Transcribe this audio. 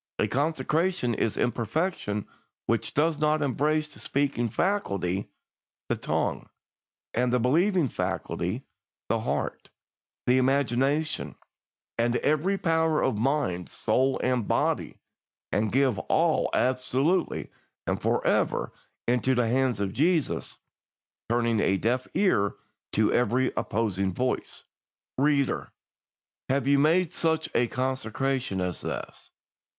A consecration is imperfect which does not embrace the speaking faculty" (the tongue), "and the believing faculty" (the heart), "the imagination, and every power of mind, soul, and body, and give all absolutely and for ever into the hands of Jesus, turning a deaf ear to every opposing voice. "Reader, have you made such a consecration as this?